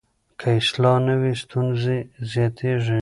که اصلاح نه وي، ستونزې زیاتېږي.